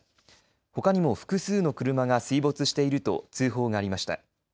ほかにも複数の車が水没していると通報がありました。